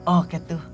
oh kayak itu